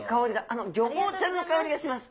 あのギョボウちゃんの香りがします。